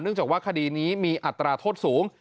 จากว่าคดีนี้มีอัตราโทษสูง